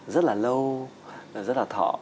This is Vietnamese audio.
rất là lâu và rất là thọ